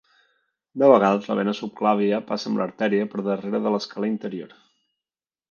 De vegades la vena subclàvia passa amb l'artèria per darrere de l'escalè interior.